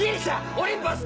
オリンポス！